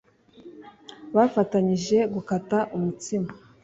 bafatanyije gukata umutsima